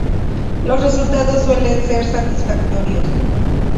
Los resultados suelen ser satisfactorios.